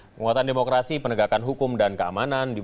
penguatan demokrasi penegakan hukum dan keamanan